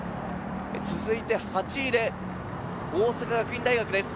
続いて８位で大阪学院大学です。